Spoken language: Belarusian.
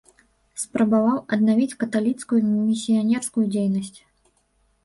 Спрабаваў аднавіць каталіцкую місіянерскую дзейнасць.